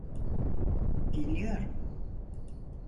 Dinliyorum.